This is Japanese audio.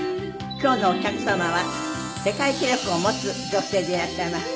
今日のお客様は世界記録を持つ女性でいらっしゃいます。